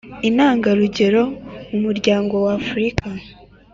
Intangarugero mu muryango wa africa